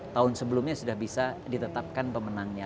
tahun sebelumnya sudah bisa ditetapkan pemenangnya